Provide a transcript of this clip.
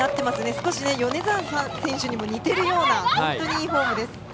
少し、米澤選手にも似ているような本当にいいフォームです。